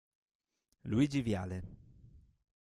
Luigi Viale